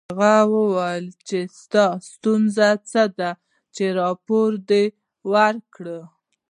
هغه وویل چې ستا ستونزه څه ده چې راپور دې ورکړ